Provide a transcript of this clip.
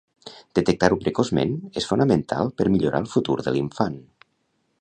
Detectar-ho precoçment és fonamental per millorar el futur de l'infant.